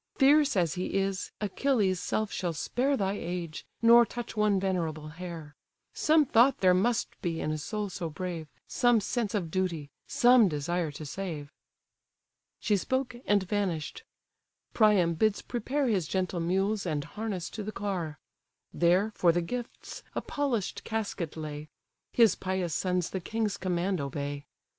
Fierce as he is, Achilles' self shall spare Thy age, nor touch one venerable hair; Some thought there must be in a soul so brave, Some sense of duty, some desire to save." She spoke, and vanish'd. Priam bids prepare His gentle mules and harness to the car; There, for the gifts, a polish'd casket lay: His pious sons the king's command obey.